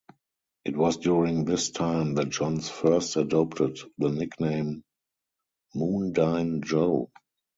It was during this time that Johns first adopted the nickname "Moondyne Joe".